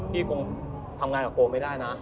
คงทำงานกับโกไม่ได้นะ